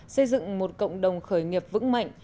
xây dựng một cộng đồng khởi nghiệp vững mạnh